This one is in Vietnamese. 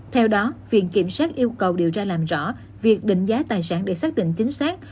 theo đó viện kiểm sát yêu cầu điều tra làm rõ việc định giá tài sản để xác định chính xác